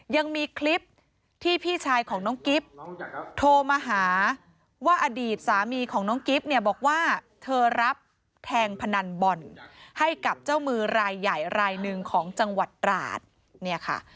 ยังมีคลิปที่พี่ชายของน้องกิ๊บโทรมาหาว่าอดีตสามีของน้องกิ๊บเนี่ยบอกว่าเธอรับแทงพนันบ่อนให้กับเจ้ามือรายใหญ่รายหนึ่งของจังหวัดตราดเนี่ยค่ะ